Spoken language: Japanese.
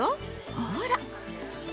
ほら。